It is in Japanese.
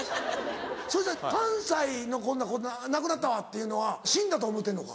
それじゃ関西の「なくなったわ」っていうのは死んだと思うてんのか？